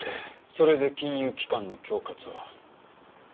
それで金融機関の恐喝を？